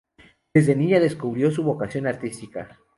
Desde niña descubrió su vocación artística.